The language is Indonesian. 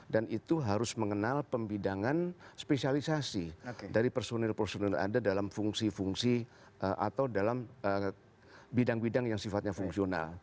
dan itu harus mengenal pembidangan spesialisasi dari personil personil anda dalam fungsi fungsi atau dalam bidang bidang yang sifatnya fungsional